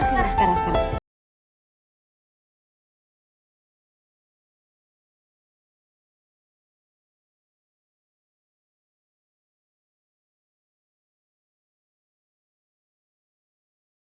sini sekarang sekarang